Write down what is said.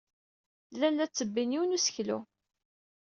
Llan la ttebbin yiwen n useklu.